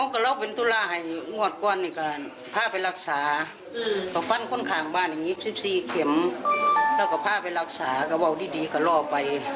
๑๔เข็มแล้วก็ผ้าไปรักษาก็ว่าวดีดีก็รอไป